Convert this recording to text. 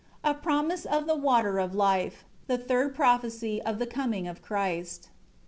Chapter XLII A promise of the Water of Life. The third prophecy of the coming of Christ.